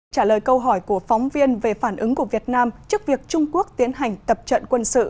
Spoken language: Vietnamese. trả lời câu hỏi của phóng viên về phản ứng của việt nam trước việc trung quốc tiến hành tập trận quân sự